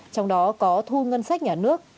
trong đó có thu ngân sách nhà nước